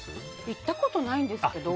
行ったことないんですけど。